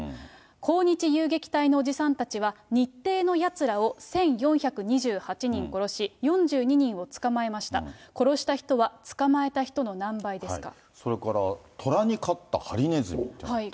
抗日遊撃隊のおじさんたちは、日帝のやつらを１４２８人殺し、４２人を捕まえました、殺した人は捕まえた人の何倍ですか。